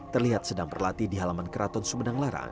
terlihat sedang berlatih di halaman keraton sumedang larang